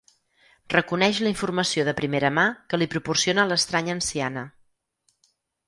Reconeix la informació de primera mà que li proporciona l'estranya anciana.